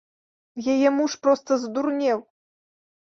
Яе муж проста здурнеў.